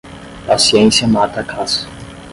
Paciência mata a caça.